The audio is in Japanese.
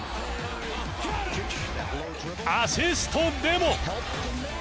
アシストでも。